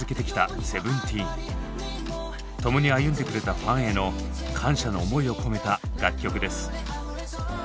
共に歩んでくれたファンヘの感謝の思いを込めた楽曲です。